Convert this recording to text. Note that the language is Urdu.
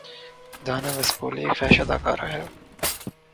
دانا وسپولی ایک فحش اداکارہ ہے